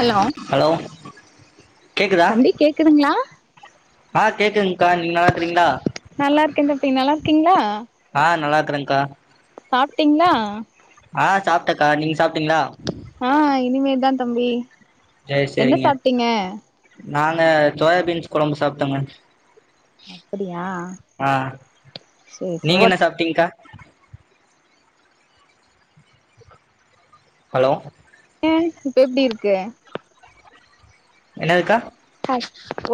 Hello hello கேக்குதா தம்பி கேக்குதுங்ளா ஆ கேக்குங்க்கா நீங்க நல்லா இருக்கறீங்களா நல்லாருக்கேங்க தம்பி நல்லாரு கிங்ளா ஆ நல்லாரு க்குறங்க்கா சாப்ட்டீங்ளா ஆ சாப்டங்க்கா நீங்க சாப் ஆ இனிமே தா தம்பி சேரி என்ன சேரிங்க சாப்டிங்க நாங்க சோயாபீன்ஸ் கொழம்பு சாப்டோங்க அப்படியா ஆ சேரி சேரி நீங்க என்ன சாப்டீங்க்கா ஹலோ ஏ இப்ப எப்டி இரு க்கு என்னதுக்கா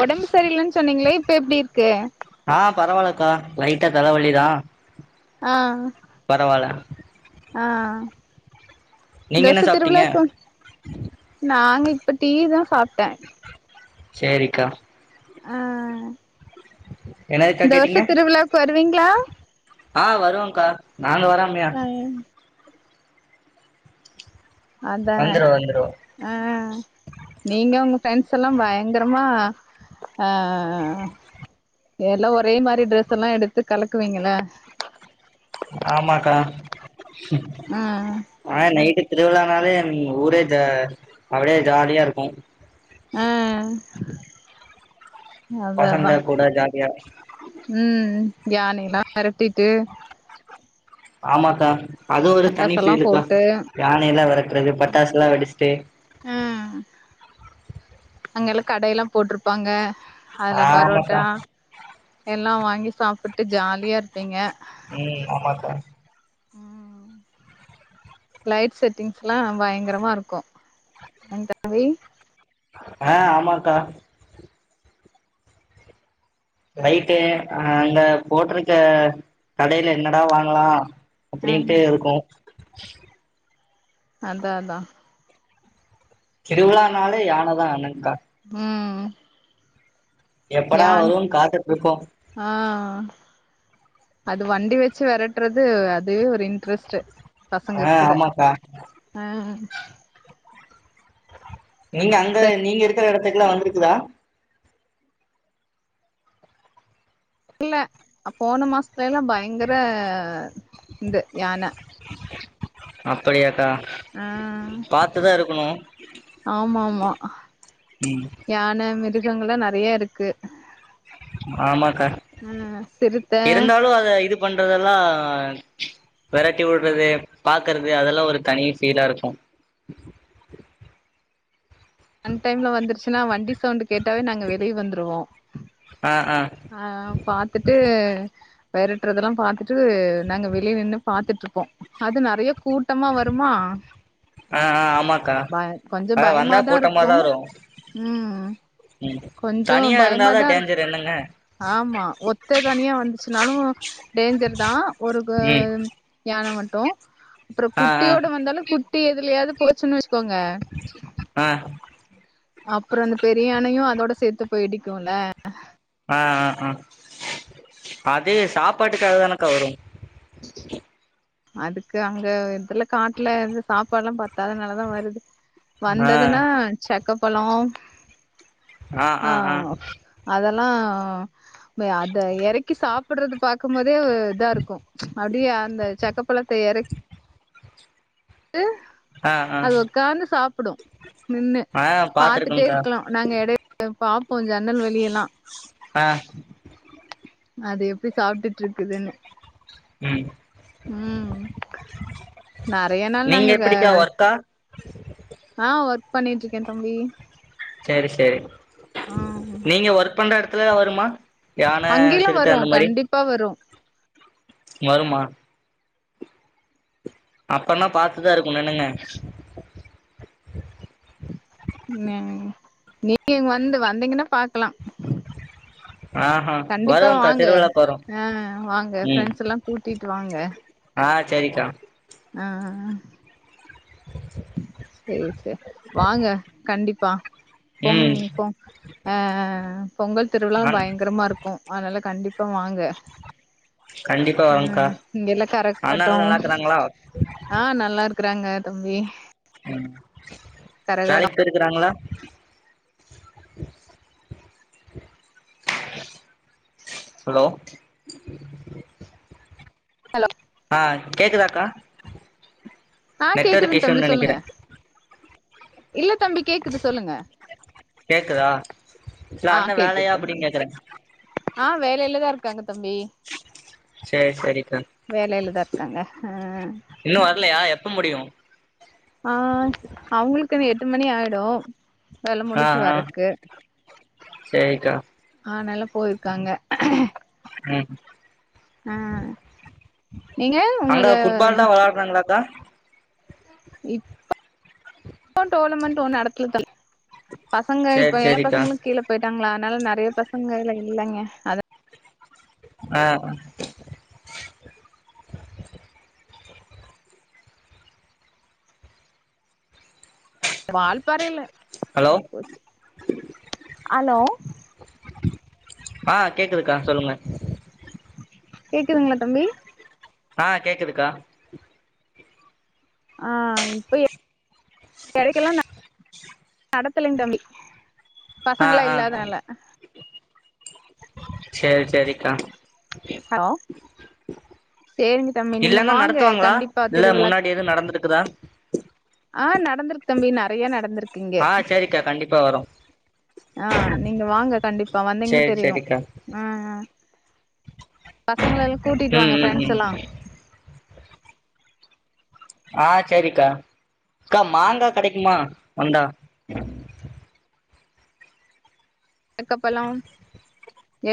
ஒடம்பு சரியில்லன்னு சொன்னீங்களே இப்ப எப்டி இருக்கு ஆ பரவால்லக்கா லைட்டா தலவலி தா ஆ பரவால்ல ஆ இந்த நீங்க என்ன வருச சாப்ட்டீங்க திருவிழாக்கு நாங்க இப்ப டீ தா சாப்ட்ட சேரிக்கா ஆ என்னதுக்கா இந்த கேட்டீங்க வருஷ திருவிழாவுக்கு வருவீங்களா ஆ வருவங்க்கா நாங்க வராமயா? அதான வந்துருவோ வந்துருவோ ஆ நீங்க உங்க ஃப்ரெண்ட்ஸ் எல்லா பயங்கரமா அ அ அ அ எல்லா ஒரே மாரி ட்ரெஸ் எல்லா எடுத்து கலக்குவீங்கள ஆமாக்கா ஆ வானே நைட்டு திருவிழானாலே ஊரே க அப்புடே ஜாலியா இருக்கு ஆ அத பசங்க அதா கூட ஜாலியா யானிலா அரட்டிட்டு ஆமாக்கா அது ஒரு தனி எல்லா ஃபீலுக்கா போட்டு யானை எல்லா வெரட்றது பட்டாசுலா வெடிஷ்ட்டே அங் எல்லா கடைல்லா போட்ருப்பாங்க அதுல ஆமத்தா பரோட்டா எல்லா வாங்கி சாப்புட்டு ஜாலியா இர்ப்பீங்க ம் ஆமாக்கா ம் லைட் செட்டிங்ஸ்ல்லா பயங்ரமாருக்கு [inaudible] அ ஆமாக்கா லைட்டே அங்க போட்ருக்க கடைல என்னடா வாங்லா ஆ அப்டின்ட்டு இருக்கு அந்தா அதா திருவிழானாலே யானதா அனக்கா ம் ம் எப்படா யான் வருன் காத்துட்ருப்போ ஆ அது வண்டி வச்சு வெரட்றது அதுவே ஒரு இன்ட்ரஸ்ட்டு பசங்க ஆ கூட ஆமாக்கா அ நீங்க அங்க நீங்க இருக்குற எடத்துக்குலா வந்துருக்குதா இல்ல அப்போன மாஸ்த்லேலா பய்ங்குற இந்த யான அப்படியாக்கா அ பாத்துதா இருக்கணு ஆம்மாமா ம் யான மிருக் கங்கல்ல நறைய இருக்கு ஆமாக்கா ஆ சிறுத்த இருந்தாலு அத இது பண்றதெல்லா வெரட்டி விட்றது பாக்கறது அதெல்லா ஒரு தனி ஃபீலா இருக்கு அன் டைம்ல வந்துருச்சு னா வண்டி சவுண்ட் கேட்டாவே நாங்க வெளிய வந்துருவோ ஆ ஆ அ பாத்துட்டு வெரட்றதுல்லா பாத்துட்டு நாங்க வெளிய நின்னு பாத்துட்டு இருப்போ அது நெறைய கூட்டமா வருமா ஆ ஆ ஆமாக்கா பய கொஞ்சோ அதா வந்தா பயமாதா இருக்கு, கூட்டமாதா வரு ம் ம் கொஞ்சோ தனியா இருந்தாதா பயமாதா இருக் டேஞ்சர் என்னங்க ஆமா ஒத்த தனியா வந்துச்சுனாலு டேஞ்சர்தா ஒரு கூ ஆ ம் யான மட் டு அப்றோ ஆ ஆ குட்டியோட வந்தாலு குட்டி எதுலயாவது போச்சுன்னு வச்சுகோங்க ஆ அப்பறோ அந்த பெரிய யானையு அதோட சேத்து போய் இடிக்கும்ல ஆ, ஆ, ஆ, அதே சாப்பாட்டுக்காகதானக்கா வரு அதுக்கு அங்க இதுல காட்ல இது சாப்பாடெலா பத்தாதனாலதா வருது ஆ வந்ததுனா ச க்க பழ ஆ ஆ ஆ ல்லா அத எறக்கி சாப் படறது பாக்கும் போதே இதா இருக்கு அப்டியே அந்த ச க்கப்பழத்த எறக் கி ஆ அது உக்காந்து சாப்புடு நின்னு ஆ ஆ பாத்துட்டே பாத்துருக்கங்க்கா இருக்கலா நாங்க எடையில பாப்போ ஜன்னல் வெளியெல்லா ஆ அது எப்படி சாப்டுட்ருக்குதுன்னு ம் ம் நெறையா நாள் நீங்க நாங்க எப்டிக்கா ஒர்க்கா ஆ ஒர்க் பண்ணிட்ருக்கே தம்பி செரி செரி ஆ நீங்க ஒர்க் பண்ற எடத்துல வருமா யான அங்கைலா சிறுத்த வரு அந்த மாரி கண்டிப்பா வரு வருமா அப்பன்னா பாத்துதா இருக்கணு என்னங்க நீங் நீங்க வந்து வந்தீங்கன்னா பாக்கலா ஆஹா கண்டிப்பா வருவோங்க்கா வாங்க திருவிழாக்கு வருவோ ஆ, வாங்க ம் ஃரெண்ட்ஸ்ல்லா கூட்டிட்டு வாங்க சேரிக்கா ஆ சேரி சே வாங்க கண்டிப் பா பொங் ம் பொ அ பொங்கல் திருவிழா அன் பய்ங்குறம்மா இருக்கு அத்னால கண்டிப் அக்கா வாங்க கண்டிப்பா வரோங்க்கா ம்ம் இங்கெல்லா கரக்காட்டோ அண்ணாலா நல்லாக்குறாங்களா ஆ நல்லா இருக் இருக்கறாங்க தம்பி ம் கரகாட்டோ வேலைக்கு போயிருக்கறாங்களா ஹலோ ஆஹ் கேக்குதா அக்கா ஆ நெட்டொருக்கு கேக்குதுங் தம்பி இஷ்யூனு சொல்லுங்க நெனைக்கிறே இல்ல தம்பி கேக்குது சொல்லுங்க கேக்குதா இல்ல ஆ அண்ண கேக்குது வேலையா தம்பி அப்டின்னு கேக்குறே ஆ வேலையில தா இருக் இருகாங்க தம்பி சேரி சேரிண்ணா வேலையிலதா இருக்காங்க ஆ இன்னும் வரலையா எப்ப எப்ப முடியும் ஆ அவுங்களுக்குன்னு எடு எட்டு மணி ஆய்டும் வேல ஆ முடுச்சு ஆ வர்ரக்கு சேரிக்கா ஆ நல்லா போயிருக்காங்க ம் ஆ, நீங்க அங்க உங்களுக்கு ஃபுட்பால்லா வெளாடுறாங்களாக்கா இப் போ டோர்னமெண்ட் ஒண்ணு நடத்துல தம்பி பசங்க சேரி இப்ப எல்லா சேரிக்கா பசங்களு கீழ போயிட்டாங்ளா அதனால நெறைய பசங்கள அதுல இல்லைங்க அத அ வால்பறைல ஹலோ அது போச்சு ஹலோ ஆ கேக்குதுக்கா சொல்லுங்க கேக்குதுங்ளா தம்பி ஆ கேக்குதுக்கா ஆ, இப்பயே கெடைக்கலனா நடத்தலங் தம்பி ஆ பசங்களா ஆ இல்லாதனால சேரி சேரிக்கா ஹலோ சேரிங்க தம்பி நீங்க இல்லன்னா வாங்க நடத்துவாங்களா கண்டிப்பா இல்ல திருவிழாக் முன்னாடி எதுவு நடந்துருக்குதா ஆ நடந்திருக்கு தம்பி நறைய நடந்திருக்கு ஆ சேரிக்கா [unintelligible] கண்டிப்பா வரோ ஆ நீங்க வாங்க கண்டிப்பா வந்தீங்கன சேரி தெரியும் சேரிக்கா அ அ பசங்கள எல்லா கூட்டிட்டு ம் வாங்க ம் ஃப்ரெண்ட்ஸ் ம் எல்லா ஆ சரிக்கா க்கா மாங்கா கெடைக்குமா வந்தா தேக்கப்பழம்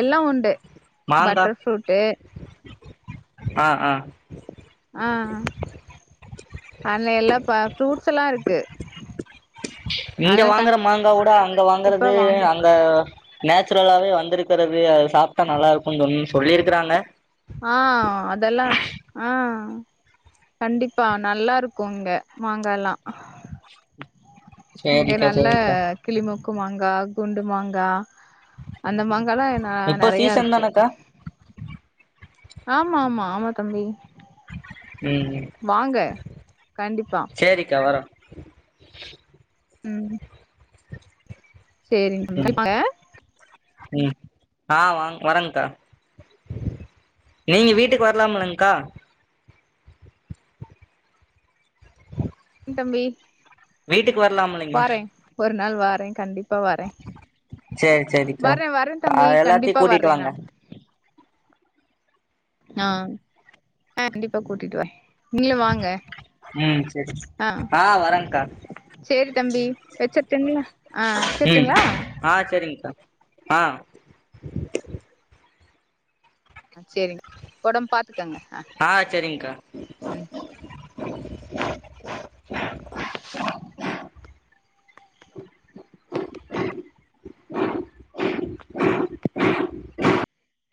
எல்லாம் உண்டு மாங்கா பட்டர்ஃப்ரூட்டு் ஆ ஆ ஆ அண்ண எல்லாம்ப ஃப்ரூட்ஸ் எல்லம் இருக்கு இங்க அதலா வாங்குற மாங்கா ஓட அங்க கண்டிப்பா வாங்கறது வாங்க அங்க நேச்சுரலாவே வந்திருக்கிறது அது சாப்ட்டா நல்லா இருக்கும்ன்னு சொன்ன சொல்லியிருக்கறாங்க ஆ அதெல்ல ஆ கண்டிப்பா நல்லா இருக்கும் இங்க மாங்காலாம் சேரிக்கா சேரிக்கா க்கு மாங்கா குண்டு மாங்கா அந்த மாங்காலா த இப்போ நெறைய சீசன் இருக்கும் தானக்கா ஆமா ஆமா ஆமா தம்பி [unintelligible] ம் ம் வாங்க கண்டிப்பா சேரிக்கா வரோ [unintelligible] ம் [unintelligible] சேரி ம் [unintelligible] ம் ஆ வாங் வரேங்க்கா நீங்க வீட்டுக்கு வரலாமலங்க்கா கண்டிப் தம்பி வீட்டுக் வரலாமல்லைங்க வாரே ஒரு நாள் வாறேன் கண்டிப் பா வரேன் சேரி சேரிக்கா வர்றேன் வரேன் ஆ தம்பி எல்லாத்தையு கண்டிப்பா கூட்டிட்டு வர்றேன் வாங்க நான் ஆஹ் அ கண்டிப்பா கூட்டிட்டுவ நீங்களு வாங்க ம் சேரி ஆ சேரி தம்பி வச்சிருட்டுங்களா ஆ வச்சிருட்டுங்களா [unintelligible] ஆஹ் சரிங்க ஒடம்ப பாத் ஆ சரிங்கா ம் சேரி [inaudible] [inaudible] [inaudible]